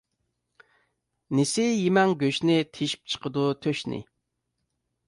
نېسى يېمەڭ گۆشنى، تېشىپ چىقىدۇ تۆشنى.